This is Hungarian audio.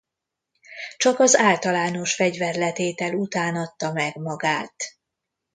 Csak az általános fegyverletétel után adta meg magát.